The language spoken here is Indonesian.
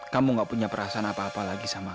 kamu gak punya perasaan apa apa lagi sama